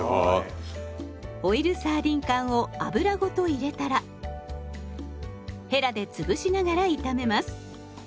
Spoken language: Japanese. オイルサーディン缶を油ごと入れたらヘラで潰しながら炒めます。